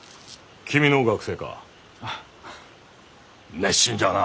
熱心じゃな。